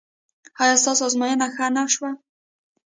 ایا ستاسو ازموینه ښه نه شوه؟